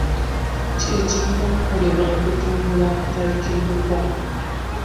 Ki ekirina okukolebwa okutumbula akatale k'endokwa?